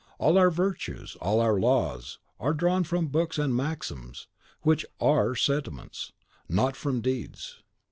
All our virtues, all our laws, are drawn from books and maxims, which ARE sentiments, not from deeds.